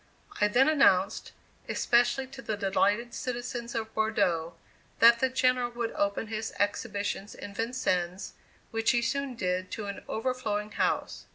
I then announced, especially to the delighted citizens of Bordeaux, that the General would open his exhibitions in Vincennes, which he soon did to an overflowing house.